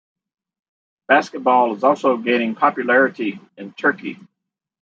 Basketball is also gaining popularity in Turkey.